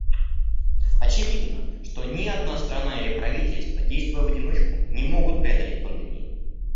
Очевидно, что ни одна страна или правительство, действуя в одиночку, не могут преодолеть пандемии.